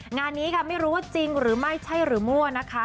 งานนี้ค่ะไม่รู้ว่าจริงหรือไม่ใช่หรือมั่วนะคะ